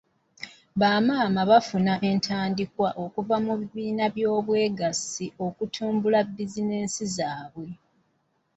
Bamaama baafuna entandikwa okuva mu kibiina ky'obwegassi okutumbula bizinensi zaabwe.